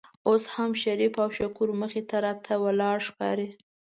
اوس هم شریف او شکور مخې ته راته ولاړ ښکاري.